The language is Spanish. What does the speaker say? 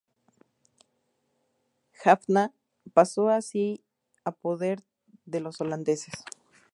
Jaffna pasó así a poder de los holandeses.